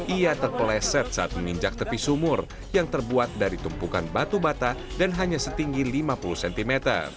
ia terpeleset saat menginjak tepi sumur yang terbuat dari tumpukan batu bata dan hanya setinggi lima puluh cm